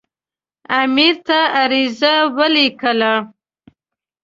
امیر ته عریضه ولیکله.